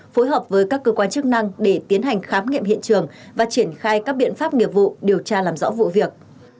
phối hợp với các cơ quan chức năng để tiến hành khám nghiệm hiện trường và triển khai các biện pháp nghiệp vụ điều tra làm rõ vụ việc